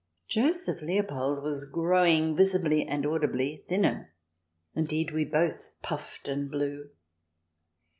Joseph Leopold was growing visibly and audibly thinner. Indeed, we both puffed and blew.